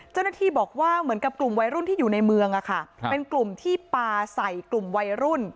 เจ้าหน้าที่บอกว่าเหมือนกับกลุ่มวัยรุ่นที่อยู่ในเมืองอะค่ะเป็นกลุ่มที่ปลาใส่กลุ่มวัยรุ่น